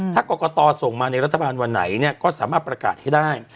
ถ้ากรกตส่งมาในรัฐบาลวันไหนเนี่ยก็สามารถประกาศให้ได้